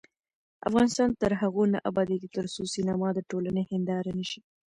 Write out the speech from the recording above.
افغانستان تر هغو نه ابادیږي، ترڅو سینما د ټولنې هنداره نشي.